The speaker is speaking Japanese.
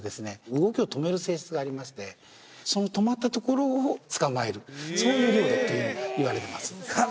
動きを止める性質がありましてその止まったところを捕まえるそういう猟だというふうにいわれてますはっ！